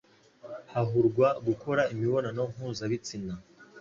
ahurwa gukora imibonano mpuzabitsina